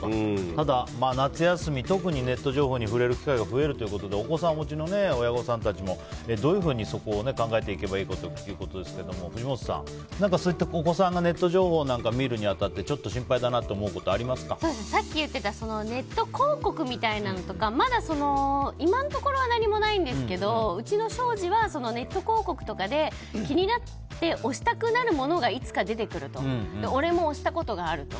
ただ夏休み、特にネット情報に触れる機会が増えるということでお子さんをお持ちの親御さんたちもどういうふうにそこを考えていけばいいかということですけど藤本さん、そういったお子さんがネット情報を見るに当たってネット広告みたいなのとかまだ今のところは何もないんですけどうちの庄司はネット広告とかで気になって押したくなるものがいつか出てくると俺も押したことがあると。